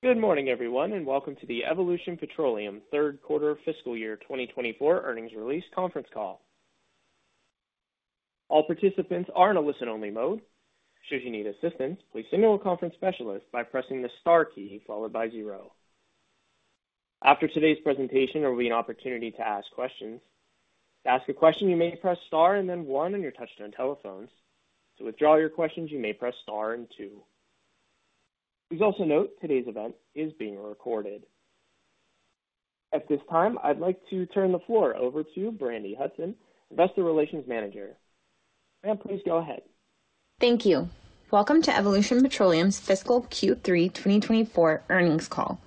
Good morning, everyone, and welcome to the Evolution Petroleum third quarter fiscal year 2024 earnings release conference call. All participants are in a listen-only mode. Should you need assistance, please signal a conference specialist by pressing the star key followed by zero. After today's presentation, there will be an opportunity to ask questions. To ask a question, you may press star and then one on your touch-tone telephones. To withdraw your questions, you may press star and two. Please also note today's event is being recorded. At this time, I'd like to turn the floor over to Brandi Hudson, Investor Relations Manager. Ma'am, please go ahead. Thank you. Welcome to Evolution Petroleum's fiscal Q3 2024 earnings call.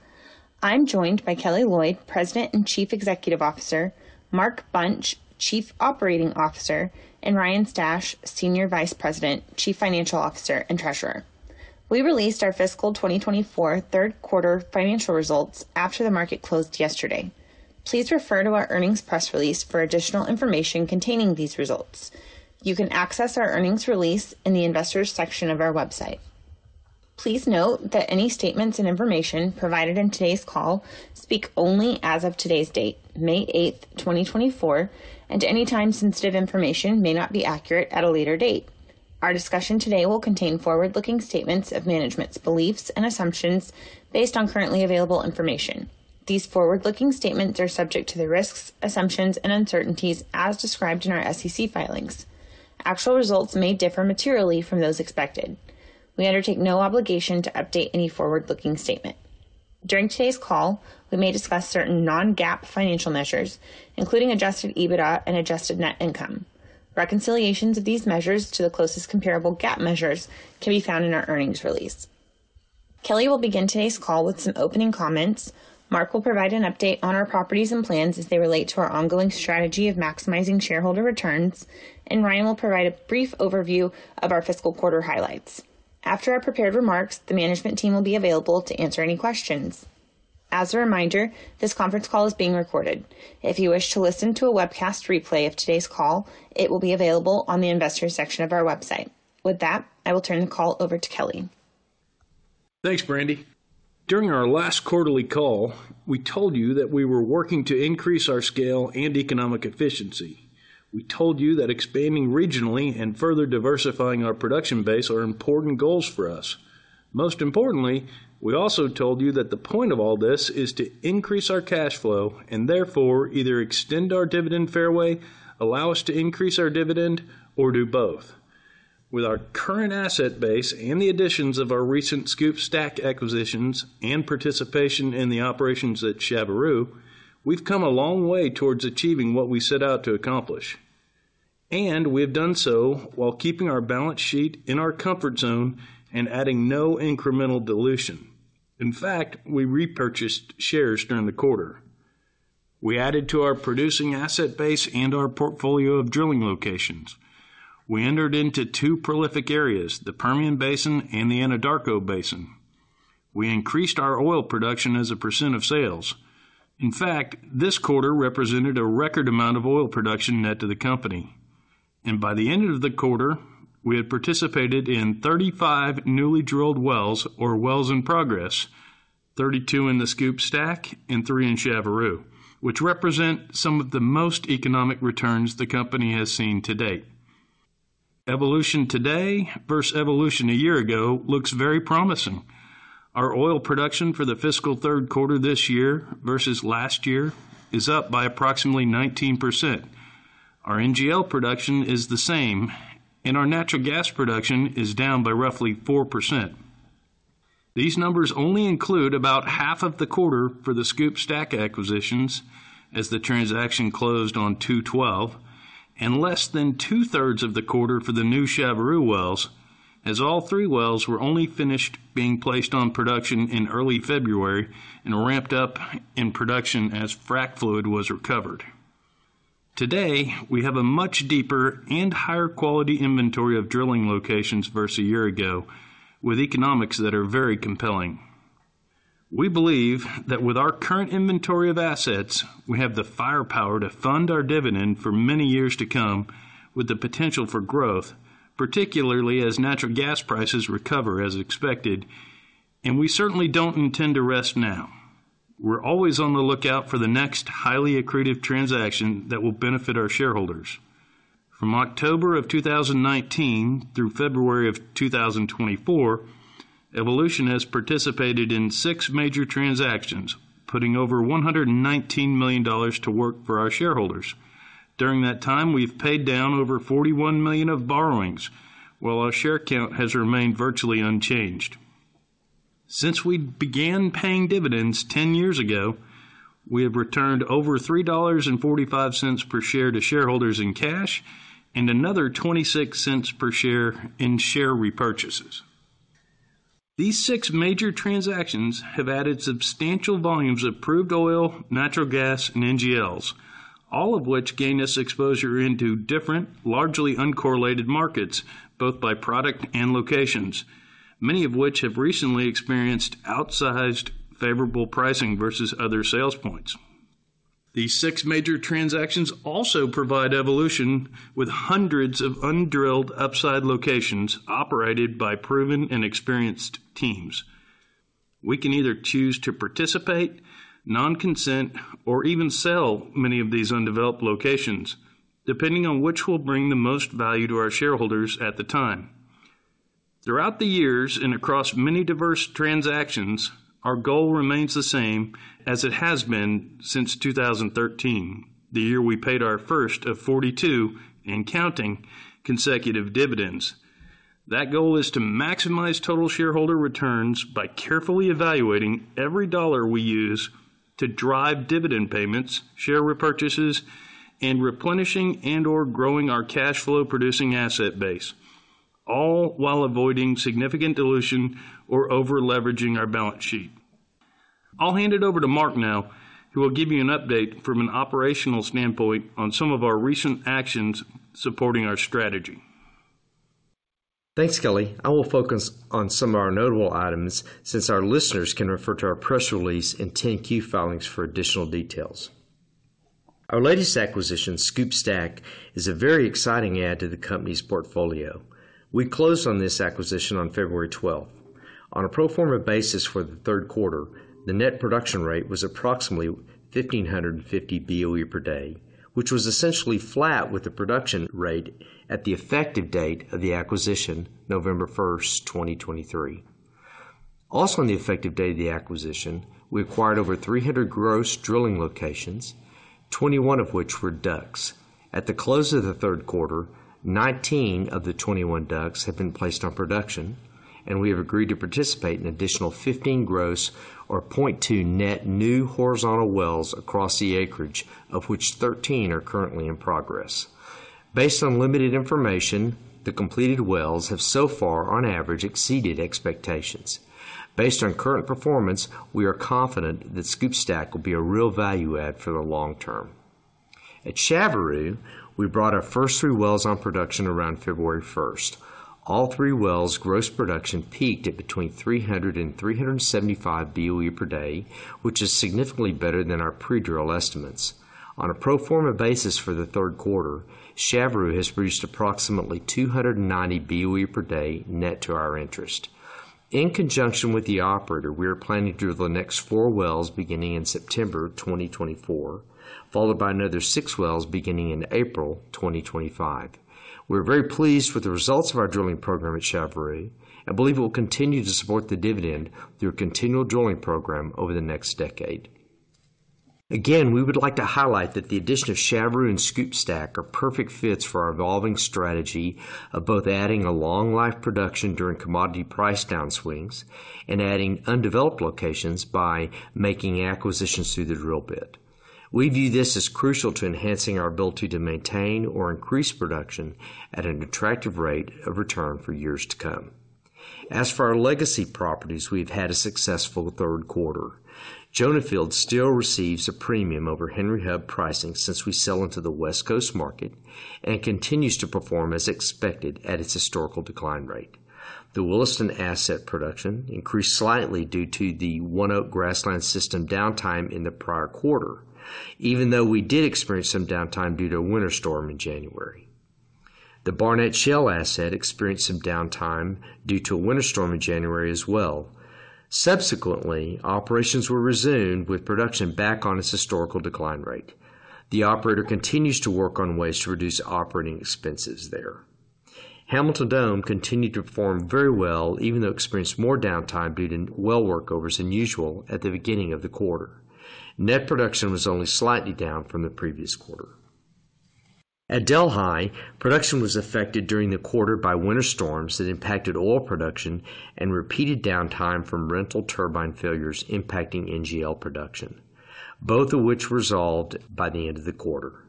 I'm joined by Kelly Loyd, President and Chief Executive Officer, Mark Bunch, Chief Operating Officer, and Ryan Stash, Senior Vice President, Chief Financial Officer and Treasurer. We released our fiscal 2024 third quarter financial results after the market closed yesterday. Please refer to our earnings press release for additional information containing these results. You can access our earnings release in the Investors section of our website. Please note that any statements and information provided in today's call speak only as of today's date, May 8th, 2024, and any time-sensitive information may not be accurate at a later date. Our discussion today will contain forward-looking statements of management's beliefs and assumptions based on currently available information. These forward-looking statements are subject to the risks, assumptions, and uncertainties as described in our SEC filings. Actual results may differ materially from those expected. We undertake no obligation to update any forward-looking statement. During today's call, we may discuss certain non-GAAP financial measures, including adjusted EBITDA and adjusted net income. Reconciliations of these measures to the closest comparable GAAP measures can be found in our earnings release. Kelly will begin today's call with some opening comments. Mark will provide an update on our properties and plans as they relate to our ongoing strategy of maximizing shareholder returns, and Ryan will provide a brief overview of our fiscal quarter highlights. After our prepared remarks, the management team will be available to answer any questions. As a reminder, this conference call is being recorded. If you wish to listen to a webcast replay of today's call, it will be available on the Investors section of our website. With that, I will turn the call over to Kelly. Thanks, Brandi. During our last quarterly call, we told you that we were working to increase our scale and economic efficiency. We told you that expanding regionally and further diversifying our production base are important goals for us. Most importantly, we also told you that the point of all this is to increase our cash flow and therefore either extend our dividend fairway, allow us to increase our dividend, or do both. With our current asset base and the additions of our recent SCOOP/STACK acquisitions and participation in the operations at Chaveroo, we've come a long way towards achieving what we set out to accomplish. And we've done so while keeping our balance sheet in our comfort zone and adding no incremental dilution. In fact, we repurchased shares during the quarter. We added to our producing asset base and our portfolio of drilling locations. We entered into two prolific areas, the Permian Basin and the Anadarko Basin. We increased our oil production as a percent of sales. In fact, this quarter represented a record amount of oil production net to the company. And by the end of the quarter, we had participated in 35 newly drilled wells or wells in progress, 32 in the SCOOP/STACK and three in Chaveroo, which represent some of the most economic returns the company has seen to date. Evolution today versus Evolution a year ago looks very promising. Our oil production for the fiscal third quarter this year versus last year is up by approximately 19%. Our NGL production is the same, and our natural gas production is down by roughly 4%. These numbers only include about half of the quarter for the SCOOP/STACK acquisitions as the transaction closed on February 12, and less than two-thirds of the quarter for the new Chaveroo wells as all three wells were only finished being placed on production in early February and ramped up in production as frac fluid was recovered. Today, we have a much deeper and higher quality inventory of drilling locations versus a year ago with economics that are very compelling. We believe that with our current inventory of assets, we have the firepower to fund our dividend for many years to come with the potential for growth, particularly as natural gas prices recover as expected. We certainly don't intend to rest now. We're always on the lookout for the next highly accretive transaction that will benefit our shareholders. From October of 2019 through February of 2024, Evolution has participated in six major transactions, putting over $119 million to work for our shareholders. During that time, we've paid down over $41 million of borrowings, while our share count has remained virtually unchanged. Since we began paying dividends 10 years ago, we have returned over $3.45 per share to shareholders in cash and another $0.26 per share in share repurchases. These six major transactions have added substantial volumes of proved oil, natural gas, and NGLs, all of which gained us exposure into different, largely uncorrelated markets both by product and locations, many of which have recently experienced outsized favorable pricing versus other sales points. These six major transactions also provide Evolution with hundreds of undrilled upside locations operated by proven and experienced teams. We can either choose to participate, non-consent, or even sell many of these undeveloped locations, depending on which will bring the most value to our shareholders at the time. Throughout the years and across many diverse transactions, our goal remains the same as it has been since 2013, the year we paid our first of 42 and counting consecutive dividends. That goal is to maximize total shareholder returns by carefully evaluating every dollar we use to drive dividend payments, share repurchases, and replenishing and/or growing our cash flow producing asset base, all while avoiding significant dilution or over-leveraging our balance sheet. I'll hand it over to Mark now, who will give you an update from an operational standpoint on some of our recent actions supporting our strategy. Thanks, Kelly. I will focus on some of our notable items since our listeners can refer to our press release and 10-Q filings for additional details. Our latest acquisition, SCOOP/STACK, is a very exciting add to the company's portfolio. We closed on this acquisition on February 12th. On a pro forma basis for the third quarter, the net production rate was approximately 1,550 BOE per day, which was essentially flat with the production rate at the effective date of the acquisition, November 1st, 2023. Also on the effective date of the acquisition, we acquired over 300 gross drilling locations, 21 of which were DUCs. At the close of the third quarter, 19 of the 21 DUCs have been placed on production, and we have agreed to participate in additional 15 gross or 0.2 net new horizontal wells across the acreage, of which 13 are currently in progress. Based on limited information, the completed wells have so far, on average, exceeded expectations. Based on current performance, we are confident that SCOOP/STACK will be a real value add for the long term. At Chaveroo, we brought our first three wells on production around February 1st. All three wells' gross production peaked at between 300-375 BOE per day, which is significantly better than our pre-drill estimates. On a pro forma basis for the third quarter, Chaveroo has produced approximately 290 BOE per day net to our interest. In conjunction with the operator, we are planning to drill the next four wells beginning in September 2024, followed by another six wells beginning in April 2025. We are very pleased with the results of our drilling program at Chaveroo and believe it will continue to support the dividend through a continual drilling program over the next decade. Again, we would like to highlight that the addition of Chaveroo and SCOOP/STACK are perfect fits for our evolving strategy of both adding a long-life production during commodity price downswings and adding undeveloped locations by making acquisitions through the drill bit. We view this as crucial to enhancing our ability to maintain or increase production at an attractive rate of return for years to come. As for our legacy properties, we've had a successful third quarter. Jonah Field still receives a premium over Henry Hub pricing since we sell into the West Coast market and continues to perform as expected at its historical decline rate. The Williston asset production increased slightly due to the ONEOK Grasslands system downtime in the prior quarter, even though we did experience some downtime due to a winter storm in January. The Barnett Shale asset experienced some downtime due to a winter storm in January as well. Subsequently, operations were resumed with production back on its historical decline rate. The operator continues to work on ways to reduce operating expenses there. Hamilton Dome continued to perform very well, even though experienced more downtime due to well workovers than usual at the beginning of the quarter. Net production was only slightly down from the previous quarter. At Delhi, production was affected during the quarter by winter storms that impacted oil production and repeated downtime from rental turbine failures impacting NGL production, both of which resolved by the end of the quarter.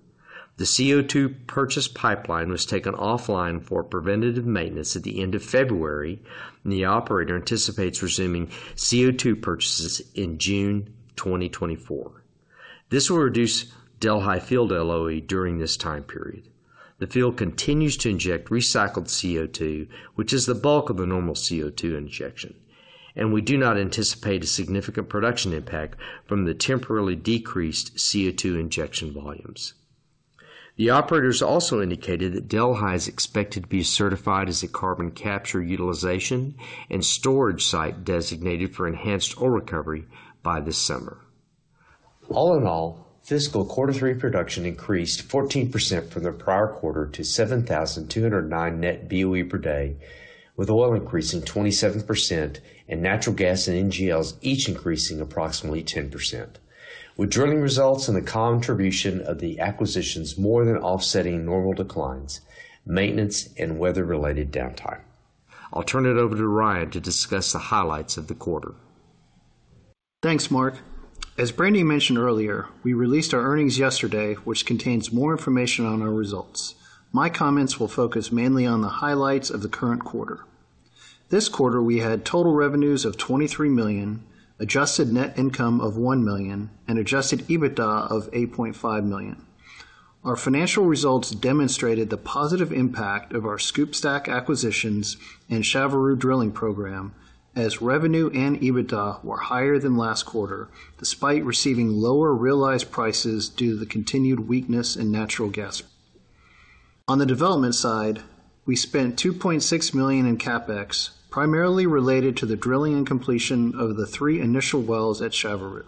The CO2 purchase pipeline was taken offline for preventative maintenance at the end of February, and the operator anticipates resuming CO2 purchases in June 2024. This will reduce Delhi Field LOE during this time period. The field continues to inject recycled CO2, which is the bulk of the normal CO2 injection, and we do not anticipate a significant production impact from the temporarily decreased CO2 injection volumes. The operators also indicated that Delhi is expected to be certified as a carbon capture utilization and storage site designated for enhanced oil recovery by this summer. All in all, fiscal quarter three production increased 14% from the prior quarter to 7,209 net BOE per day, with oil increasing 27% and natural gas and NGLs each increasing approximately 10%, with drilling results and the contribution of the acquisitions more than offsetting normal declines, maintenance, and weather-related downtime. I'll turn it over to Ryan to discuss the highlights of the quarter. Thanks, Mark. As Brandi mentioned earlier, we released our earnings yesterday, which contains more information on our results. My comments will focus mainly on the highlights of the current quarter. This quarter, we had total revenues of $23 million, adjusted net income of $1 million, and adjusted EBITDA of $8.5 million. Our financial results demonstrated the positive impact of our SCOOP/STACK acquisitions and Chaveroo drilling program as revenue and EBITDA were higher than last quarter despite receiving lower realized prices due to the continued weakness in natural gas. On the development side, we spent $2.6 million in CapEx primarily related to the drilling and completion of the three initial wells at Chaveroo.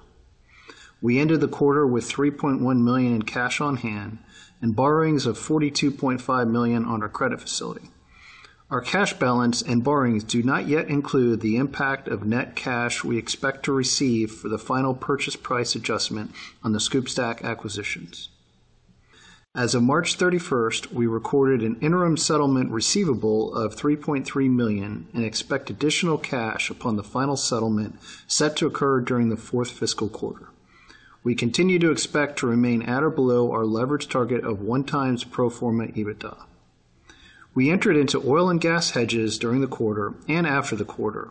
We ended the quarter with $3.1 million in cash on hand and borrowings of $42.5 million on our credit facility. Our cash balance and borrowings do not yet include the impact of net cash we expect to receive for the final purchase price adjustment on the SCOOP/STACK acquisitions. As of March 31st, we recorded an interim settlement receivable of $3.3 million and expect additional cash upon the final settlement set to occur during the fourth fiscal quarter. We continue to expect to remain at or below our leveraged target of 1x pro forma EBITDA. We entered into oil and gas hedges during the quarter and after the quarter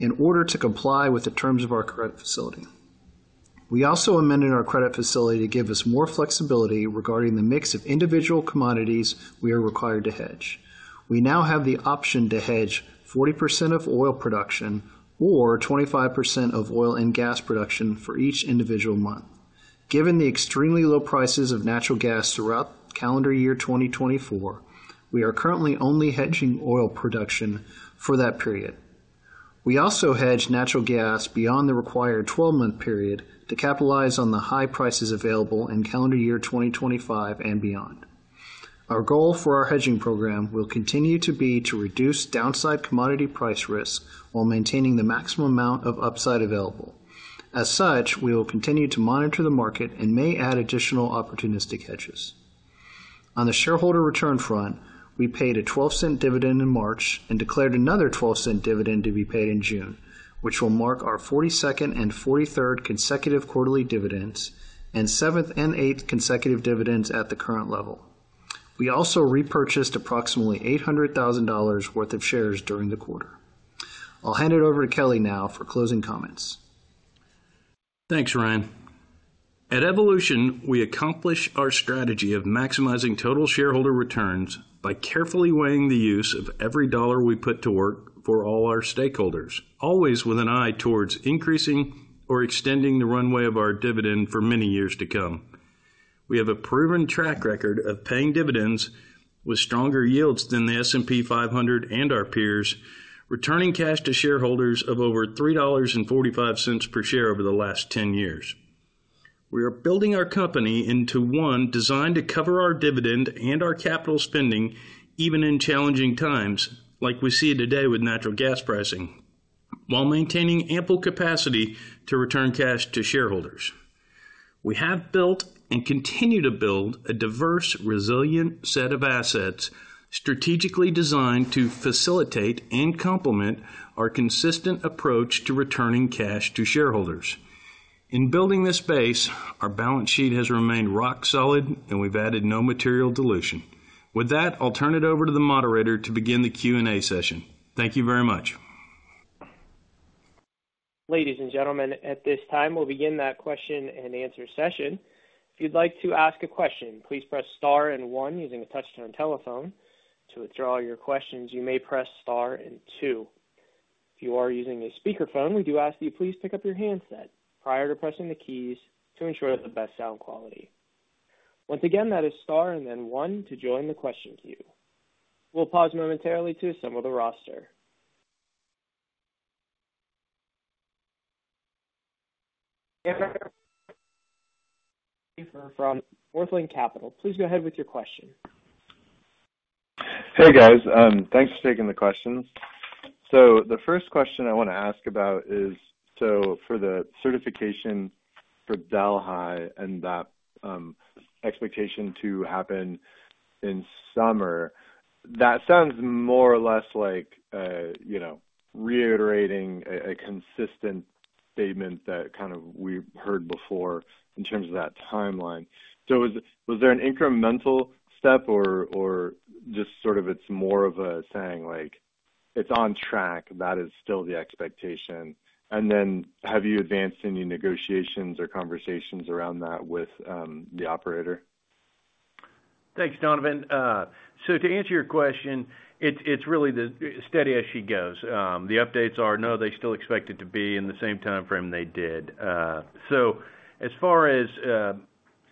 in order to comply with the terms of our credit facility. We also amended our credit facility to give us more flexibility regarding the mix of individual commodities we are required to hedge. We now have the option to hedge 40% of oil production or 25% of oil and gas production for each individual month. Given the extremely low prices of natural gas throughout calendar year 2024, we are currently only hedging oil production for that period. We also hedge natural gas beyond the required 12-month period to capitalize on the high prices available in calendar year 2025 and beyond. Our goal for our hedging program will continue to be to reduce downside commodity price risk while maintaining the maximum amount of upside available. As such, we will continue to monitor the market and may add additional opportunistic hedges. On the shareholder return front, we paid a $0.12 dividend in March and declared another $0.12 dividend to be paid in June, which will mark our 42nd and 43rd consecutive quarterly dividends and seventh and eight consecutive dividends at the current level. We also repurchased approximately $800,000 worth of shares during the quarter. I'll hand it over to Kelly now for closing comments. Thanks, Ryan. At Evolution, we accomplish our strategy of maximizing total shareholder returns by carefully weighing the use of every dollar we put to work for all our stakeholders, always with an eye towards increasing or extending the runway of our dividend for many years to come. We have a proven track record of paying dividends with stronger yields than the S&P 500 and our peers, returning cash to shareholders of over $3.45 per share over the last 10 years. We are building our company into one designed to cover our dividend and our capital spending even in challenging times like we see it today with natural gas pricing, while maintaining ample capacity to return cash to shareholders. We have built and continue to build a diverse, resilient set of assets strategically designed to facilitate and complement our consistent approach to returning cash to shareholders. In building this base, our balance sheet has remained rock solid, and we've added no material dilution. With that, I'll turn it over to the moderator to begin the Q&A session. Thank you very much. Ladies and gentlemen, at this time, we'll begin that question and answer session. If you'd like to ask a question, please press star and one using a touch-tone telephone. To withdraw your questions, you may press star and two. If you are using a speakerphone, we do ask that you please pick up your handset prior to pressing the keys to ensure the best sound quality. Once again, that is star and then one to join the question queue. We'll pause momentarily to assemble the roster. From Northland Capital, please go ahead with your question. Hey, guys. Thanks for taking the questions. So the first question I want to ask about is, so for the certification for Delhi and that expectation to happen in summer, that sounds more or less like reiterating a consistent statement that kind of we heard before in terms of that timeline. So was there an incremental step, or just sort of it's more of a saying like, "It's on track. That is still the expectation," and then have you advanced any negotiations or conversations around that with the operator? Thanks, Donovan. So to answer your question, it's really steady as she goes. The updates are, no, they still expect it to be in the same time frame they did. So as far as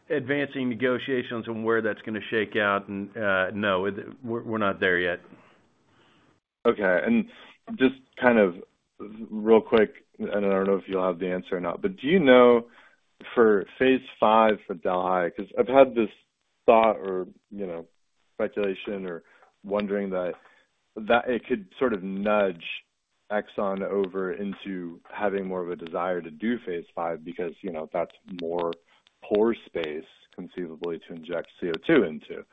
advancing negotiations and where that's going to shake out, no, we're not there yet. Okay. Just kind of real quick, I don't know if you'll have the answer or not, but do you know for Phase V for Delhi? Because I've had this thought or speculation or wondering that it could sort of nudge Exxon over into having more of a desire to do Phase V because that's more pore space, conceivably, to inject CO2 into.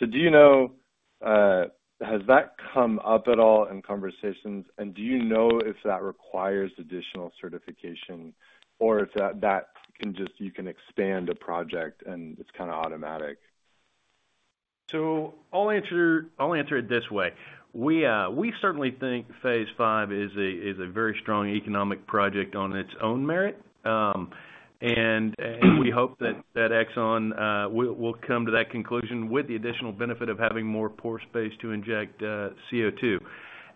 So do you know, has that come up at all in conversations, and do you know if that requires additional certification or if that can just, you can expand a project and it's kind of automatic? So I'll answer it this way. We certainly think Phase V is a very strong economic project on its own merit, and we hope that Exxon will come to that conclusion with the additional benefit of having more pore space to inject CO2.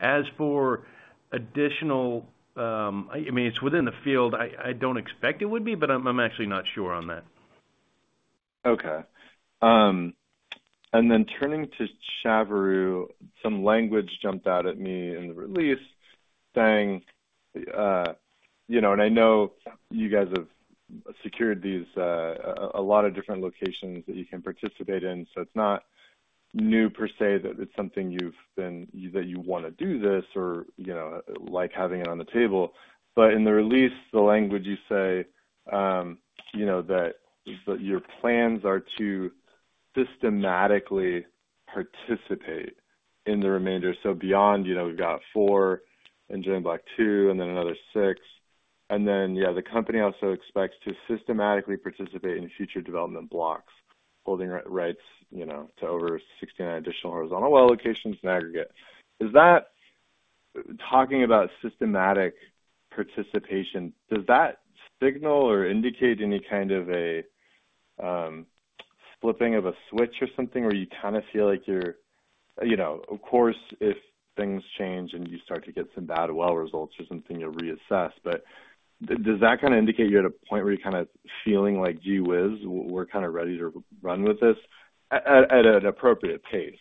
As for additional, I mean, it's within the field. I don't expect it would be, but I'm actually not sure on that. Okay. And then turning to Chaveroo, some language jumped out at me in the release saying, and I know you guys have secured a lot of different locations that you can participate in, so it's not new per se that it's something that you want to do this or like having it on the table. But in the release, the language you say that your plans are to systematically participate in the remainder. So beyond, we've got four in GenBlock 2 and then another six. And then, yeah, the company also expects to systematically participate in future development blocks, holding rights to over 69 additional horizontal well locations in aggregate. Talking about systematic participation, does that signal or indicate any kind of a flipping of a switch or something, or you kind of feel like you're, of course, if things change and you start to get some bad well results or something, you'll reassess. But does that kind of indicate you're at a point where you're kind of feeling like, "Gee, whiz. We're kind of ready to run with this at an appropriate pace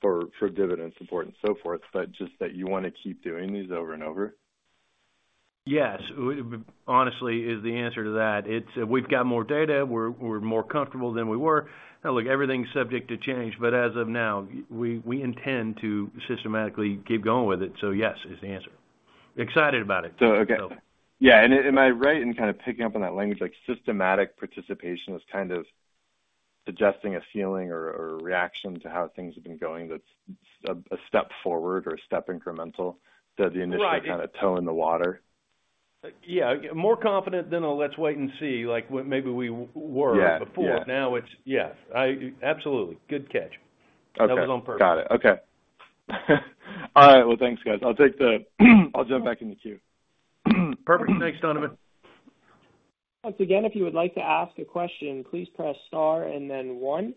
for dividend support and so forth," but just that you want to keep doing these over and over? Yes, honestly, is the answer to that. We've got more data. We're more comfortable than we were. Now, look, everything's subject to change, but as of now, we intend to systematically keep going with it. So yes, is the answer. Excited about it. Okay. Yeah. And am I right in kind of picking up on that language? Systematic participation is kind of suggesting a feeling or reaction to how things have been going that's a step forward or a step incremental to the initial kind of toe in the water? Yeah. More confident than a, "Let's wait and see," like maybe we were before. Now it's, "Yes." Absolutely. Good catch. That was on purpose. Okay. Got it. Okay. All right. Well, thanks, guys. I'll jump back in the queue. Perfect. Thanks, Donovan. Once again, if you would like to ask a question, please press star and then one.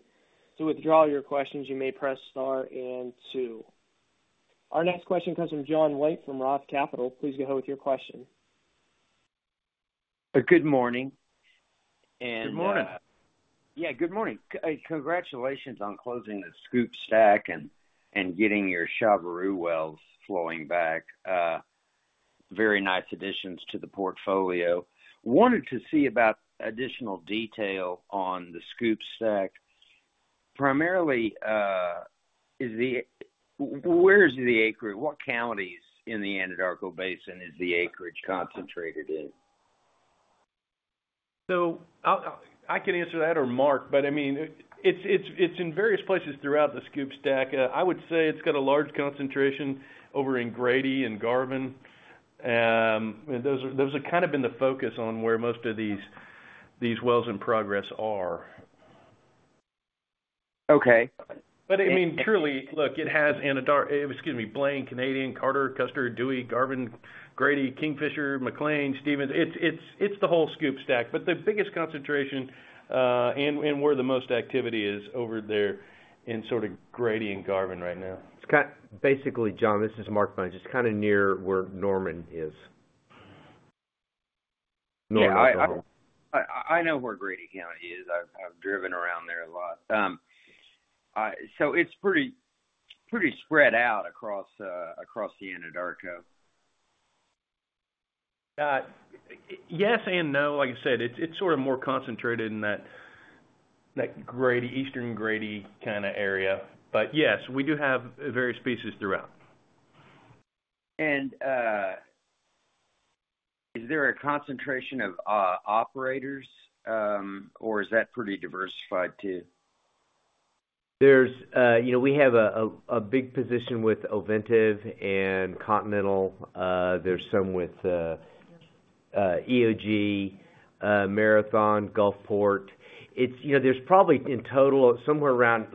To withdraw your questions, you may press star and two. Our next question comes from John White from Roth Capital. Please go ahead with your question. Good morning. Good morning. Yeah. Good morning. Congratulations on closing the SCOOP/STACK and getting your Chaveroo wells flowing back. Very nice additions to the portfolio. Wanted to see about additional detail on the SCOOP/STACK. Primarily, where is the acreage? What counties in the Anadarko Basin is the acreage concentrated in? So I can answer that or Mark, but I mean, it's in various places throughout the SCOOP/STACK. I would say it's got a large concentration over in Grady and Garvin. Those have kind of been the focus on where most of these wells in progress are. But I mean, truly, look, it has Anadarko, excuse me, Blaine, Canadian, Carter, Custer, Dewey, Garvin, Grady, Kingfisher, McClain, Stephens. It's the whole SCOOP/STACK, but the biggest concentration and where the most activity is over there in sort of Grady and Garvin right now. It's kind of basically, John. This is Mark Bunch. It's kind of near where Norman is. Norman. Yeah. I know where Grady County is. I've driven around there a lot. So it's pretty spread out across the Anadarko. Yes and no. Like I said, it's sort of more concentrated in that eastern Grady kind of area. But yes, we do have various sections throughout. Is there a concentration of operators, or is that pretty diversified too? We have a big position with Ovintiv and Continental. There's some with EOG, Marathon, Gulfport. There's probably in total, somewhere around,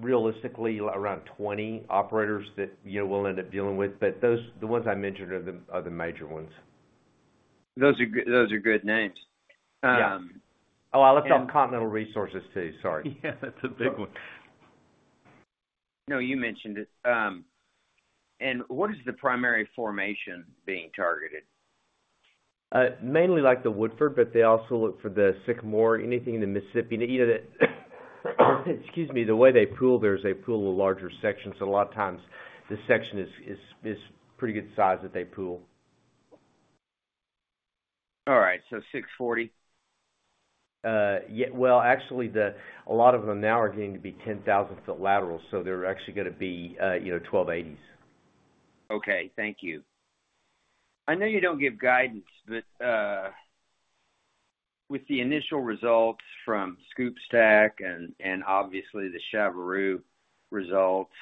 realistically, around 20 operators that we'll end up dealing with, but the ones I mentioned are the major ones. Those are good names. Oh, I left off Continental Resources too. Sorry. Yeah. That's a big one. No, you mentioned it. What is the primary formation being targeted? Mainly the Woodford, but they also look for the Sycamore, anything in the Mississippi. Excuse me. The way they pool there is they pool a larger section. So a lot of times, the section is pretty good size that they pool. All right. So 640? Well, actually, a lot of them now are getting to be 10,000 ft laterals, so they're actually going to be 1280s. Okay. Thank you. I know you don't give guidance, but with the initial results from SCOOP/STACK and obviously the Chaveroo results,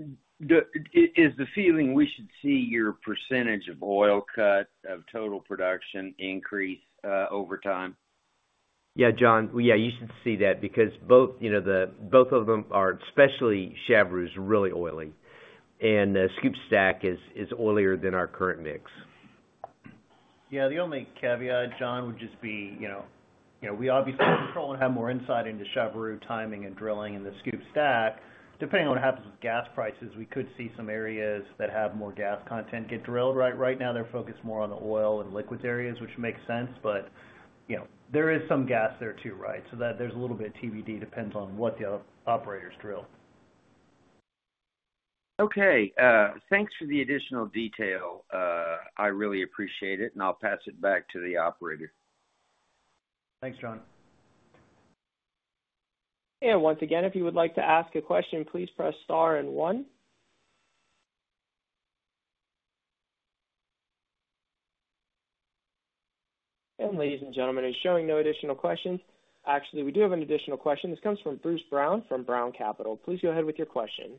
is the feeling we should see your percentage of oil cut, of total production, increase over time? Yeah, John. Yeah. You should see that because both of them, especially Chaveroo, is really oily, and SCOOP/STACK is oilier than our current mix. Yeah. The only caveat, John, would just be we obviously control and have more insight into Chaveroo timing and drilling in the SCOOP/STACK. Depending on what happens with gas prices, we could see some areas that have more gas content get drilled. Right now, they're focused more on the oil and liquid areas, which makes sense, but there is some gas there too, right? So there's a little bit of TBD. Depends on what the operators drill. Okay. Thanks for the additional detail. I really appreciate it, and I'll pass it back to the operator. Thanks, John. Once again, if you would like to ask a question, please press star and one. Ladies and gentlemen, it's showing no additional questions. Actually, we do have an additional question. This comes from Bruce Brown from Brown Capital. Please go ahead with your question.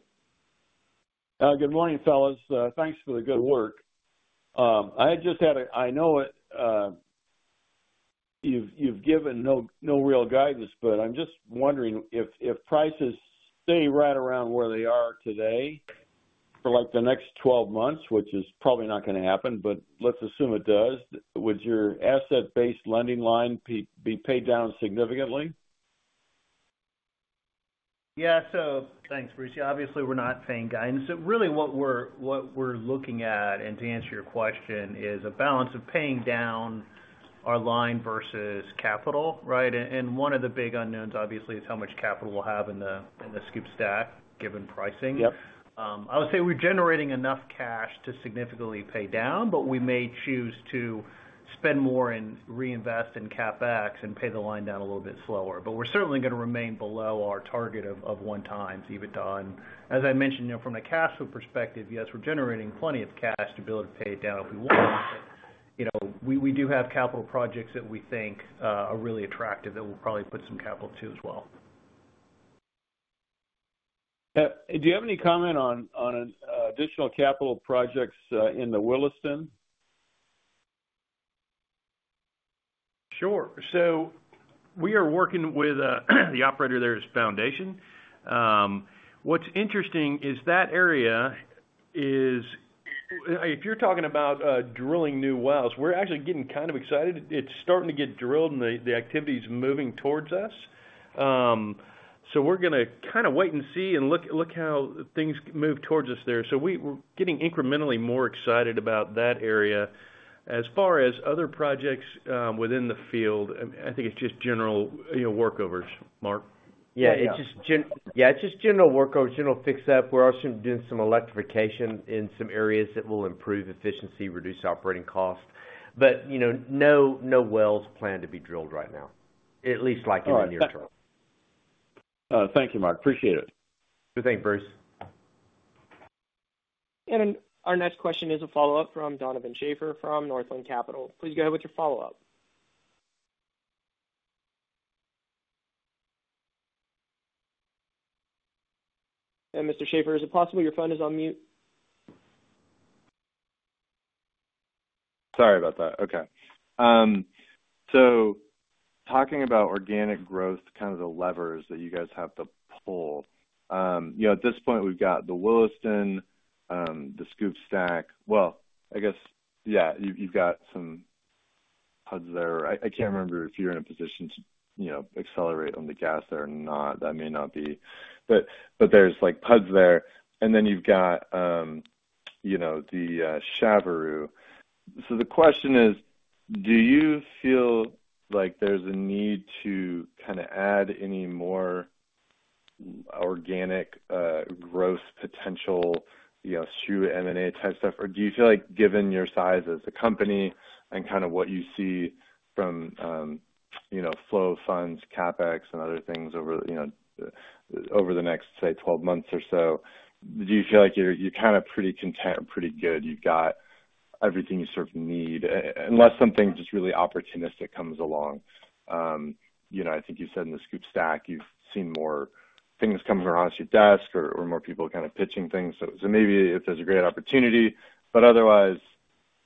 Good morning, fellas. Thanks for the good work. I had just had a. I know you've given no real guidance, but I'm just wondering if prices stay right around where they are today for the next 12 months, which is probably not going to happen, but let's assume it does. Would your asset-based lending line be paid down significantly? Yeah. So thanks, Bruce. Yeah. Obviously, we're not paying guidance. So really, what we're looking at, and to answer your question, is a balance of paying down our line versus capital, right? And one of the big unknowns, obviously, is how much capital we'll have in the SCOOP/STACK given pricing. I would say we're generating enough cash to significantly pay down, but we may choose to spend more and reinvest in CapEx and pay the line down a little bit slower. But we're certainly going to remain below our target of 1x, even though, as I mentioned, from a cash flow perspective, yes, we're generating plenty of cash to be able to pay it down if we want, but we do have capital projects that we think are really attractive that we'll probably put some capital to as well. Do you have any comment on additional capital projects in the Williston? Sure. So we are working with the operator there is Foundation. What's interesting is that area. If you're talking about drilling new wells, we're actually getting kind of excited. It's starting to get drilled, and the activity is moving towards us. So we're going to kind of wait and see and look how things move towards us there. So we're getting incrementally more excited about that area. As far as other projects within the field, I think it's just general workovers, Mark. Yeah. Yeah. It's just general workovers, general fix-up. We're also doing some electrification in some areas that will improve efficiency, reduce operating costs, but no wells planned to be drilled right now, at least in the near term. Thank you, Mark. Appreciate it. Thanks, Bruce. Our next question is a follow-up from Donovan Schafer from Northland Capital. Please go ahead with your follow-up. Mr. Schafer, is it possible your phone is on mute? Sorry about that. Okay. So talking about organic growth, kind of the levers that you guys have to pull, at this point, we've got the Williston, the SCOOP/STACK. Well, I guess, yeah, you've got some PUDs there. I can't remember if you're in a position to accelerate on the gas there or not. That may not be. But there's PUDs there. And then you've got the Chaveroo. So the question is, do you feel like there's a need to kind of add any more organic growth potential, small M&A type stuff, or do you feel like, given your size as a company and kind of what you see from flow of funds, CapEx, and other things over the next, say, 12 months or so, do you feel like you're kind of pretty content or pretty good? You've got everything you sort of need unless something just really opportunistic comes along. I think you said in the SCOOP/STACK, you've seen more things coming around to your desk or more people kind of pitching things. So maybe if there's a great opportunity. But otherwise,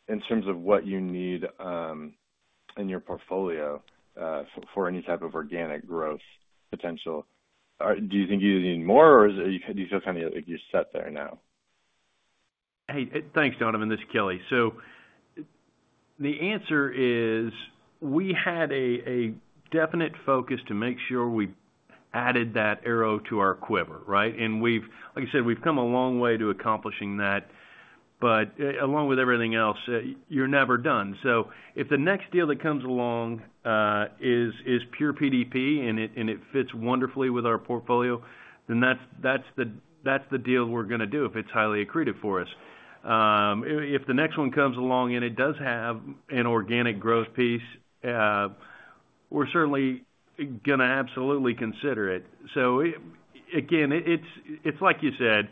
in terms of what you need in your portfolio for any type of organic growth potential, do you think you need more, or do you feel kind of like you're set there now? Hey, thanks, Donovan. This is Kelly. So the answer is we had a definite focus to make sure we added that arrow to our quiver, right? And like I said, we've come a long way to accomplishing that. But along with everything else, you're never done. So if the next deal that comes along is pure PDP and it fits wonderfully with our portfolio, then that's the deal we're going to do if it's highly accretive for us. If the next one comes along and it does have an organic growth piece, we're certainly going to absolutely consider it. So again, it's like you said,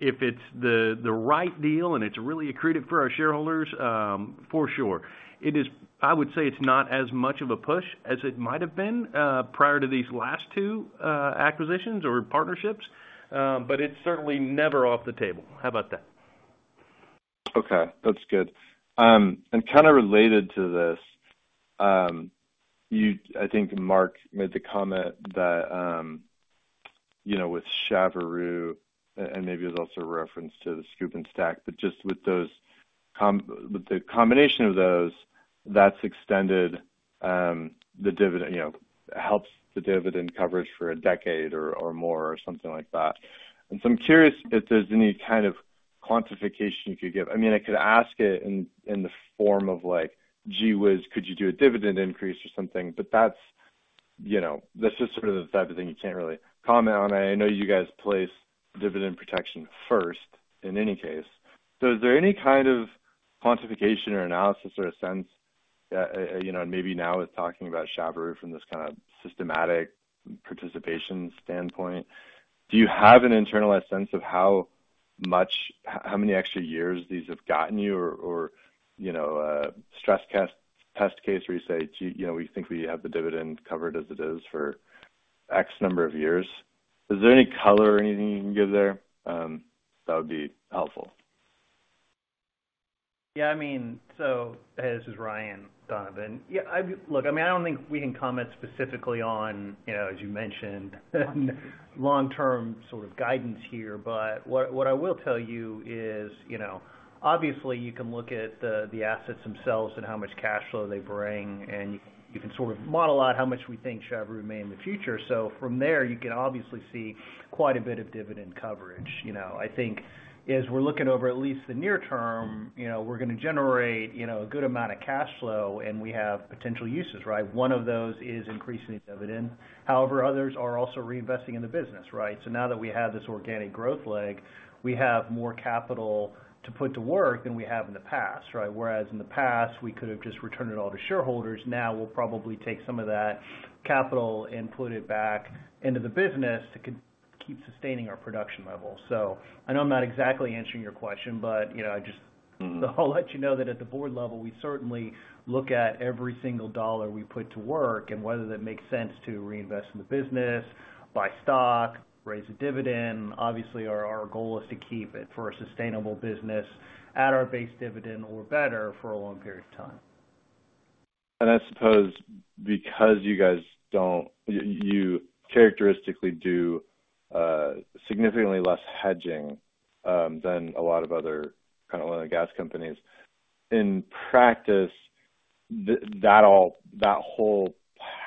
if it's the right deal and it's really accretive for our shareholders, for sure. I would say it's not as much of a push as it might have been prior to these last two acquisitions or partnerships, but it's certainly never off the table. How about that? Okay. That's good. And kind of related to this, I think Mark made the comment that with Chaveroo, and maybe it was also a reference to the SCOOP and STACK, but just with the combination of those, that's extended the dividend helps the dividend coverage for a decade or more or something like that. And so I'm curious if there's any kind of quantification you could give. I mean, I could ask it in the form of, "Gee, whiz, could you do a dividend increase or something?" But this is sort of the type of thing you can't really comment on. I know you guys place dividend protection first in any case. So is there any kind of quantification or analysis or a sense? And maybe now with talking about Chaveroo from this kind of systematic participation standpoint, do you have an internalized sense of how many extra years these have gotten you or stress test case where you say, "We think we have the dividend covered as it is for X number of years." Is there any color or anything you can give there that would be helpful? Yeah. I mean, so this is Ryan, Donovan. Look, I mean, I don't think we can comment specifically on, as you mentioned, long-term sort of guidance here. But what I will tell you is, obviously, you can look at the assets themselves and how much cash flow they bring, and you can sort of model out how much we think Chaveroo may in the future. So from there, you can obviously see quite a bit of dividend coverage. I think as we're looking over at least the near term, we're going to generate a good amount of cash flow, and we have potential uses, right? One of those is increasing dividend. However, others are also reinvesting in the business, right? So now that we have this organic growth leg, we have more capital to put to work than we have in the past, right? Whereas in the past, we could have just returned it all to shareholders. Now, we'll probably take some of that capital and put it back into the business to keep sustaining our production level. So I know I'm not exactly answering your question, but I'll let you know that at the board level, we certainly look at every single dollar we put to work and whether that makes sense to reinvest in the business, buy stock, raise a dividend. Obviously, our goal is to keep it for a sustainable business at our base dividend or better for a long period of time. I suppose because you guys don't characteristically do significantly less hedging than a lot of other kind of oil and gas companies, in practice, that whole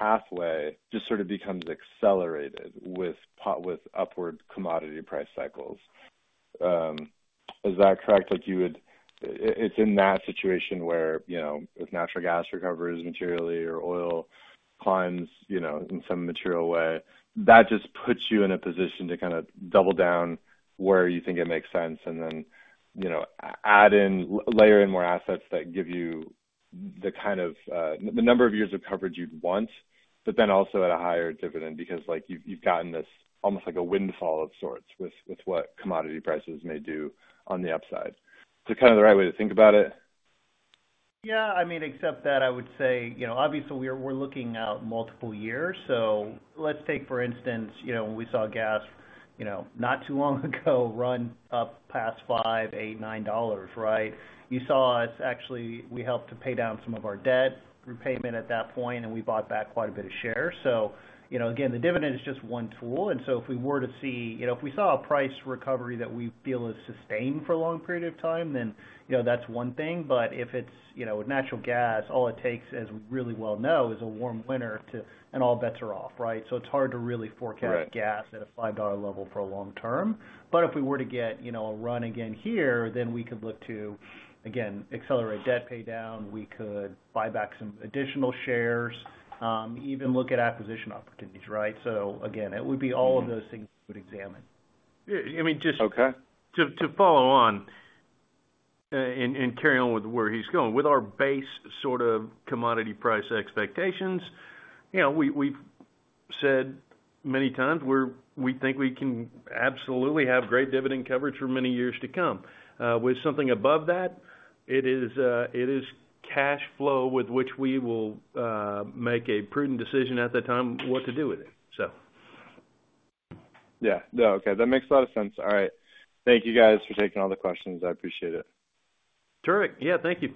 pathway just sort of becomes accelerated with upward commodity price cycles. Is that correct? It's in that situation where if natural gas recovers materially or oil climbs in some material way, that just puts you in a position to kind of double down where you think it makes sense and then layer in more assets that give you the kind of number of years of coverage you'd want, but then also at a higher dividend because you've gotten this almost like a windfall of sorts with what commodity prices may do on the upside. Is that kind of the right way to think about it? Yeah. I mean, except that I would say, obviously, we're looking out multiple years. So let's take, for instance, when we saw gas not too long ago run up past $5, $8, $9, right? You saw us actually we helped to pay down some of our debt repayment at that point, and we bought back quite a bit of shares. So again, the dividend is just one tool. And so if we were to see if we saw a price recovery that we feel is sustained for a long period of time, then that's one thing. But if it's natural gas, all it takes, as we really well know, is a warm winter, and all bets are off, right? So it's hard to really forecast gas at a $5 level for a long term. If we were to get a run again here, then we could look to, again, accelerate debt paydown. We could buy back some additional shares, even look at acquisition opportunities, right? Again, it would be all of those things we would examine. I mean, just to follow on and carry on with where he's going, with our base sort of commodity price expectations, we've said many times we think we can absolutely have great dividend coverage for many years to come. With something above that, it is cash flow with which we will make a prudent decision at that time what to do with it, so. Yeah. No, okay. That makes a lot of sense. All right. Thank you, guys, for taking all the questions. I appreciate it. Terrific. Yeah. Thank you.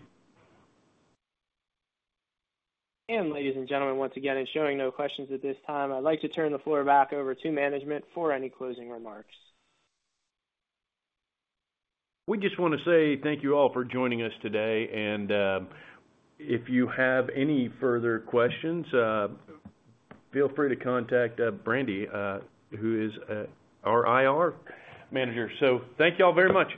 Ladies and gentlemen, once again, showing no questions at this time, I'd like to turn the floor back over to management for any closing remarks. We just want to say thank you all for joining us today. If you have any further questions, feel free to contact Brandi, who is our IR manager. Thank you all very much.